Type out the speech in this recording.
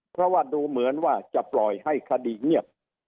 เพราะว่าดูเหมือนว่าจะปล่อยให้คดีเงียบ